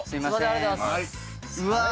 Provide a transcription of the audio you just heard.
ありがとうございます。